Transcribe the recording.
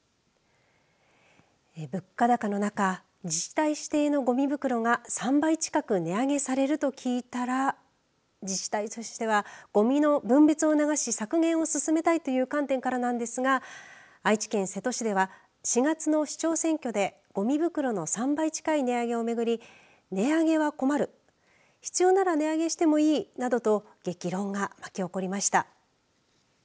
物価高の中自治体指定のごみ袋が３倍近く値上げされると聞いたら自治体としてはごみの分別を促し削減を進めたいという観点からなんですが愛知県瀬戸市では４月の市長選挙でごみ袋の３倍近い売り上げを巡り値上げは困る必要なら値上げしてもいいなどと激論が巻き起こりました。